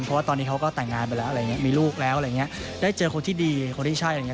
เพราะว่าตอนนี้เขาก็แต่งงานไปแล้วมีลูกแล้วได้เจอคนที่ดีคนที่ใช่